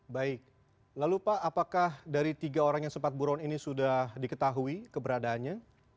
baik lalu pak apakah dari tiga orang yang sempat buron ini sudah diketahui keberadaannya